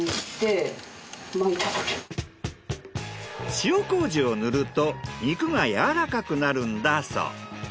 塩麹を塗ると肉が柔らかくなるんだそう。